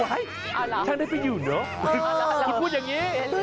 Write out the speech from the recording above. ว๊ายคุณว๊ายช่างได้ไปอยู่เนาะคุณพูดอย่างนี้